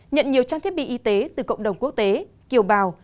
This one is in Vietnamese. nhận nhiều trang thiết bị y tế từ cộng đồng quốc tế kiều bào